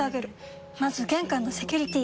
まず玄関のセキュリティ！